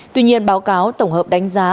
tuy nhiên báo cáo tổng hợp đánh giá